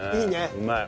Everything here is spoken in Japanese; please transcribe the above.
うまい。